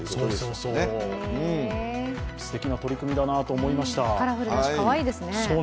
すてきな取り組みだなと思いました。